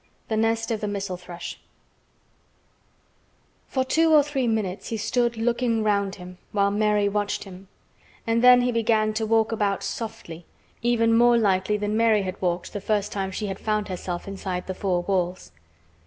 THE NEST OF THE MISSEL THRUSH For two or three minutes he stood looking round him, while Mary watched him, and then he began to walk about softly, even more lightly than Mary had walked the first time she had found herself inside the four walls.